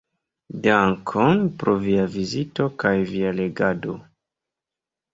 Dankon pro via vizito kaj via legado.